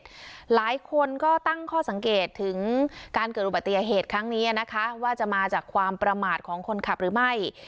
หลายคนก็ตั้งข้อสังเกตถึงการเกิดอุบัติเหตุครั้งนี้นะคะว่าจะมาจากความประมาทของคนขับหรือไม่